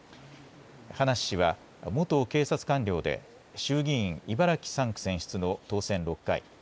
葉梨氏は、元警察官僚で、衆議院茨城３区選出の当選６回。